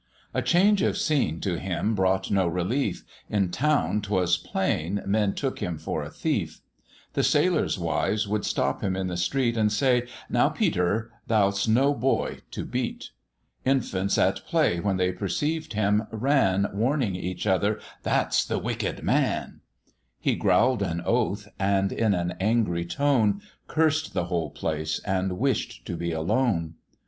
A change of scene to him brought no relief, In town, 'twas plain, men took him for a thief: The sailor's wives would stop him in the street, And say, "Now, Peter, thou'st no boy to beat;" Infants at play when they perceived him, ran, Warning each other "That's the wicked man;" He growl'd an oath, and in an angry tone Cursed the whole place and wish'd to be alone.